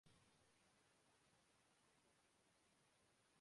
اس ان بیٹری کے گز بیک گراؤنڈ میں چلتے ر گے اور ضروری ڈیٹا اکھٹا کر ر گے